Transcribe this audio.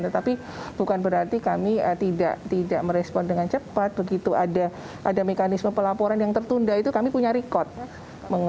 tetapi bukan berarti kami tidak merespon dengan cepat begitu ada mekanisme pelaporan yang tertunda itu kami punya record